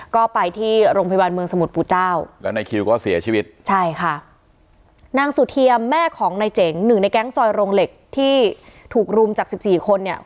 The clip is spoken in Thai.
ของนายเจ๋งหนึ่งในแก๊งซอยโรงเหล็กที่ถูกรุมจาก๑๔คนเนี่ย